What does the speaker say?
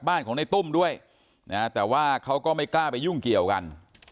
บ้านของในตุ้มด้วยนะแต่ว่าเขาก็ไม่กล้าไปยุ่งเกี่ยวกัน